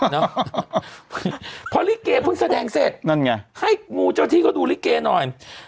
เพราะลิเกเพิ่งแสดงเสร็จนั่นไงให้งูเจ้าที่เขาดูลิเกหน่อย